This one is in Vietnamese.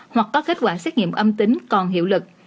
hoặc có kết quả xét nghiệm âm tính còn hiệu lực